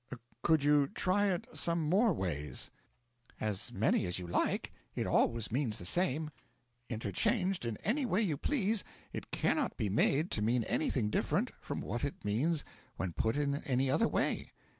'Could you try it some more ways?' 'As many as you like: it always means the same. Interchanged in any way you please it cannot be made to mean anything different from what it means when put in any other way.